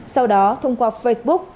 sau đó thông qua facebook